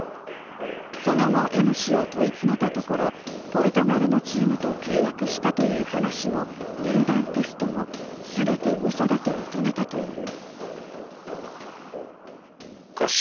その後、Ｍ氏を問い詰めたところ、ポルトガルのチームと契約したという話も入団テストも全てうそだと認めたという。